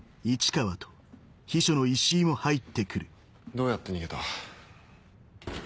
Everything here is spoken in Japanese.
どうやって逃げた？